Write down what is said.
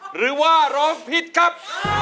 หรือว่าร้องผิดครับ